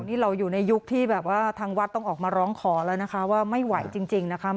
นี่เราอยู่ในยุคที่แบบว่าทางวัดต้องออกมาร้องขอแล้วนะคะว่าไม่ไหวจริงนะคะ